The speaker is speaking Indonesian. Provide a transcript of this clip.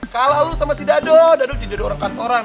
kalah lo sama si dado dado jadi orang kantoran